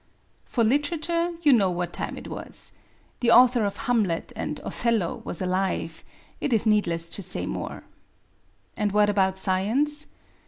For literature, you know what a time it was. The author of Hamlet and Othello was alive: it is needless to say more. And what about science?